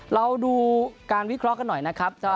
เราดูการวิเคราะห์กันหน่อยนะครับ